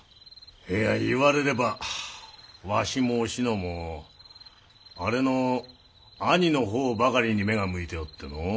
いや言われればわしも志乃もあれの兄の方ばかりに目が向いておってのう。